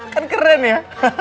kan keren ya